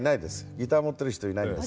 ギター持ってる人いないんで。